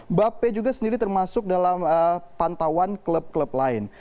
mbappe juga sendiri termasuk dalam pantauan klub klub lain